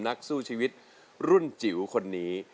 นักสู้ชีวิตรุ่นจิ๋วคนนี้